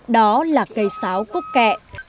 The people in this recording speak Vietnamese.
đó là cây sáo cúc kẹ